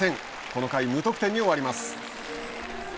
この回、無得点に終わります。